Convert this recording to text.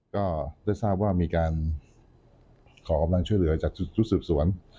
ก็ได้ทราบว่ามีการขอกำลังช่วยเหลือจากชุดสืบสวน